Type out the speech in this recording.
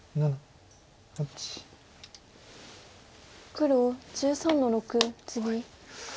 黒１３の六ツギ。